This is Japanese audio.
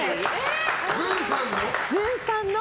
ずんさんの？